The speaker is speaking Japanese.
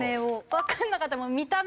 わかんなかった。